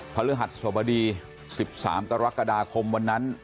พระฤหัสสบดี๑๓กรกฎาคมวันนั้น